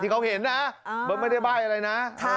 ที่เขาเห็นนะไม่ได้ใบอะไรนะ